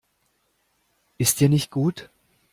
Ist dir nicht gut?